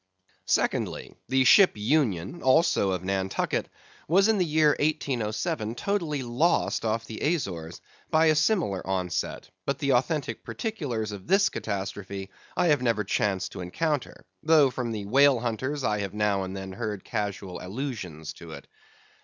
Secondly: The ship Union, also of Nantucket, was in the year 1807 totally lost off the Azores by a similar onset, but the authentic particulars of this catastrophe I have never chanced to encounter, though from the whale hunters I have now and then heard casual allusions to it.